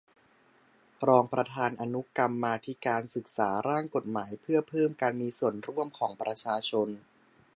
รองประธานอนุกรรมาธิการศึกษาร่างกฎหมายเพื่อเพิ่มการมีส่วนร่วมของประชาชน